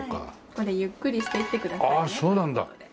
これゆっくりしていってくださいねという事で。